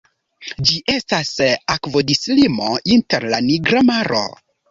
Ĝi estas akvodislimo inter la Nigra Maro.